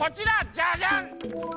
ジャジャン！